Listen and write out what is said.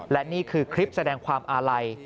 และนี่คือคลิปแสดงความอาลัย